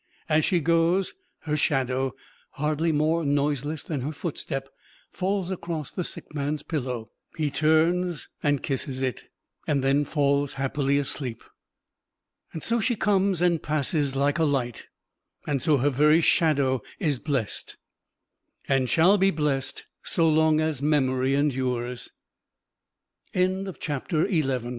As she goes, her shadow, hardly more noiseless than her footstep, falls across the sick man's pillow; he turns and kisses it, and then falls happily asleep. So she comes and passes, like a light; and so her very shadow is blessed, and shall be blessed so long as memory endures. CHAPTER XII. WINTER. O the lon